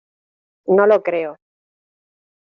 no lo creo.